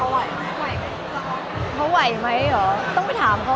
เราก็มองว่ามันเป็นเรื่องน่ารักที่เวลาเจอกันเราต้องแซวอะไรอย่างเงี้ย